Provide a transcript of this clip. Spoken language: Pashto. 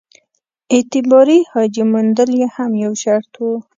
اعتباري حاجي موندل یې هم یو شرط وو.